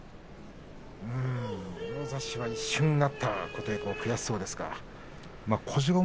もろ差しは一瞬だった琴恵光、悔しそうですが。